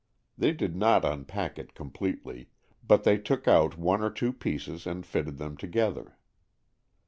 They did not unpack it completely, but they took out one or two pieces and fitted them together.